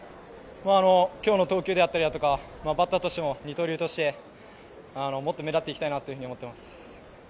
きょうの投球であったりバッターとしても二刀流としてもっと目立っていきたいなというふうに思ってます。